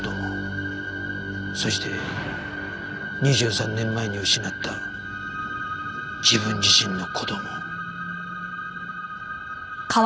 そして２３年前に失った自分自身の子供。